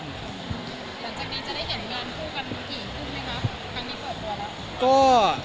หลังจากนี้จะได้เห็นงานคู่กันมีเมื่อกี๊คุยไหมครับ